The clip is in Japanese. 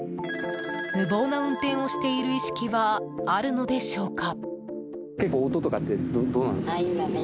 無謀な運転をしている意識はあるのでしょうか。